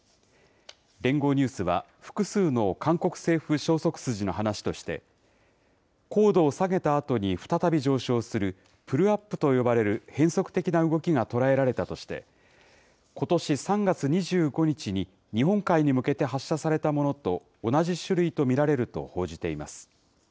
連合ニュースは、複数の韓国政府消息筋の話として、高度を下げたあとに再び上昇する、プルアップと呼ばれる変則的な動きが捉えられたとして、ことし３月２５日に、日本海に向けて発射されたものと同じ種類と見られると報じています。